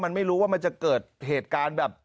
มันไม่รู้ว่ามันจะเกิดเหตุการณ์แบบ